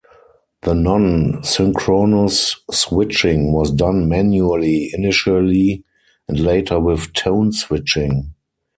The non-synchronous switching was done manually initially and later with tone switching.